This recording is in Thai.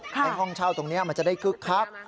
ในห้องเช่าตรงนี้มันจะได้คึกคัก